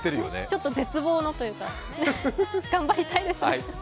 ちょっと絶望というか、頑張りたいですね。